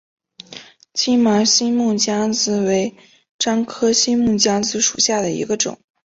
金毛新木姜子为樟科新木姜子属下的一个种。